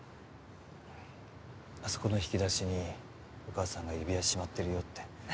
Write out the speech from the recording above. あそこの引き出しにお母さんが指輪しまってるよって。